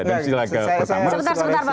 sebentar bang dhani